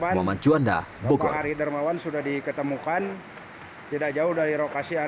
muhammad juanda bogor